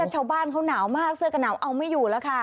ชาวบ้านเขาหนาวมากเสื้อกระหนาวเอาไม่อยู่แล้วค่ะ